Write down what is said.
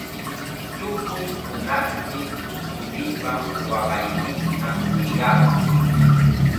Tukuy hunaqmi kukulipa waqayninta wiyaa.